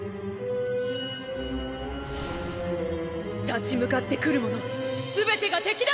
立ち向かってくるものすべてが敵だ！！